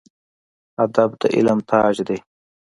ادب د علم تاج دی